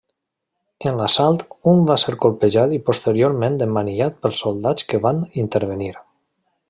En l'assalt un va ser colpejat i posteriorment emmanillat pels soldats que van intervenir.